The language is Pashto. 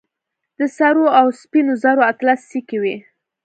د سرو او سپينو زرو اتلس سيکې وې.